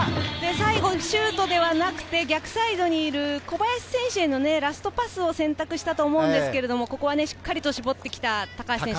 最後、シュートではなくて、逆サイドにいる小林選手へのラストパスを選択したと思うんですが、しっかりと絞ってきた高橋選手。